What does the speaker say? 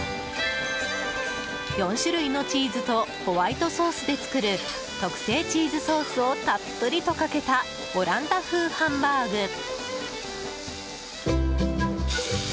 ４種類のチーズとホワイトソースで作る特製チーズソースをたっぷりとかけたオランダ風ハンバーグ。